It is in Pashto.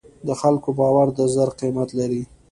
د خلکو باور د زر قیمت لري.